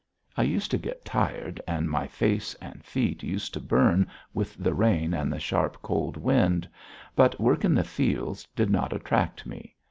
I used to get tired, and my face and feet used to burn with the rain and the sharp cold wind. But work in the fields did not attract me.